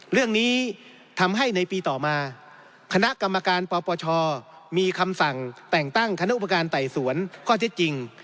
เรื่องนี้ทำให้ในปีต่อมาคณะกรรมการปปชมีคำสั่งแต่งตั้งคณะอุปการณ์ไต่สวนข้อเท็จจริง